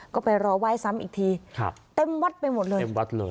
ก็ไปรอไหว้ซ้ำอีกทีครับเต็มวัดไปหมดเลยเต็มวัดเลย